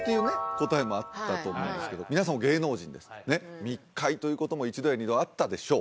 答えもあったと思うんですけど皆さんも芸能人ですねっ密会ということも一度や二度あったでしょう